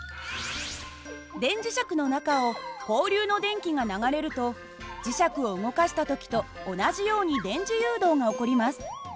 電磁石の中を交流の電気が流れると磁石を動かした時と同じように電磁誘導が起こります。